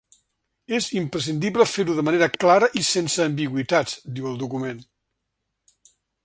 És imprescindible fer-ho de manera clara i sense ambigüitats, diu el document.